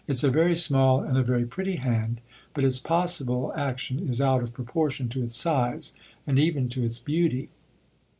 It's a very small and a very pretty hand, but its possible action is out of proportion to its size and even to its beauty.